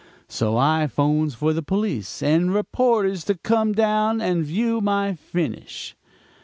So I 'phones for the police and reporters to come down and view my finish.'